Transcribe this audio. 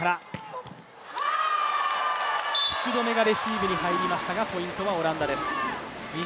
福留がレシーブに入りましたがポイントはオランダです。